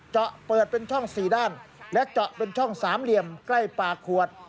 เจาะเปิดเป็นช่อง๔ด้านและเจาะเป็นช่องสามเหลี่ยมใกล้ปากขวด